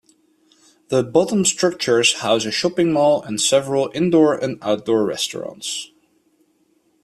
The bottom structures house a shopping mall and several indoor and outdoor restaurants.